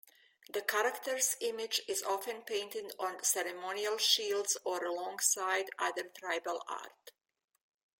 The character's image is often painted on ceremonial shields or alongside other tribal art.